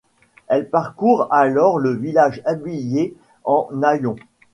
Elle parcourt alors le village habillée en haillons.